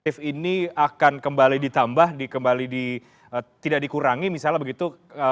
jadi ini akan kembali ditambah tidak dikurangi misalnya begitu